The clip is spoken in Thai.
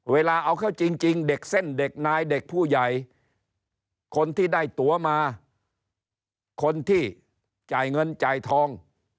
เวลาเอาเข้าจริงเด็กเส้นเด็กนายเด็กผู้ใหญ่คนที่ได้ตัวมาคนที่จ่ายเงินจ่ายทอง